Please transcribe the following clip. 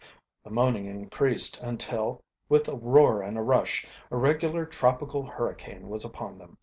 The "moanin" increased until, with a roar and a rush, a regular tropical hurricane was upon them.